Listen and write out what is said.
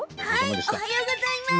おはようございます。